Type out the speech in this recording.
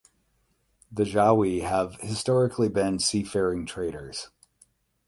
The Jawi have historically been seafaring traders.